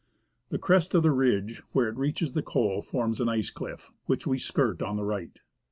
The crest of the ridgfe where it reaches the col forms an ice cliff, which we skirt on the right.